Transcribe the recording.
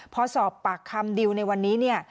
พอสอบปากคำดิวในวันนี้เนี่ย